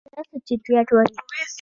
دا څه چټیات وایې.